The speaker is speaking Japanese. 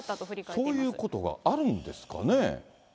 そういうことがあるんですかね。